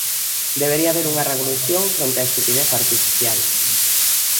Debería haber unha revolución fronte á estupidez artificial.